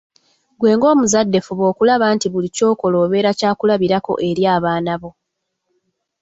Ggwe nga omuzadde fuba okulaba nti buli ky’okola obeera kya kulabirako eri abaana bo.